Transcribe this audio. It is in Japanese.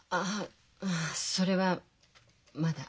ああそれはまだ。